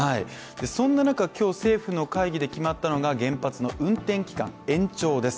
そんな中、今日、政府の会議で決まったのが原発の運転期間延長です。